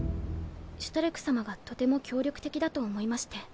シュタルク様がとても協力的だと思いまして。